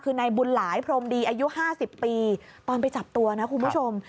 คือในบุญหลายพรมดีอายุ๕๐ปีตอนไปจับตัวนะคุณผู้ชม